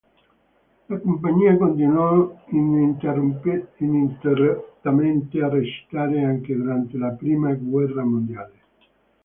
La compagnia continuò ininterrottamente a recitare anche durante la Prima guerra mondiale.